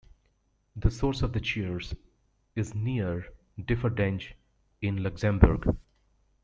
The source of the Chiers is near Differdange, in Luxembourg.